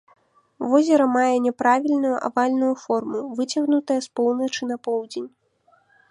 Возера мае няправільную, авальную форму, выцягнутая з поўначы на поўдзень.